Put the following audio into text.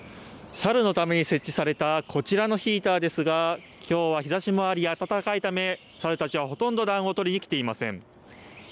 サルのために設置されたこちらのヒーターですがきょうは日ざしもあり暖かいためサルたちはほとんど暖を取りに来ていません。